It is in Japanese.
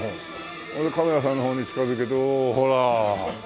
カメラさんの方に近づけておおほら。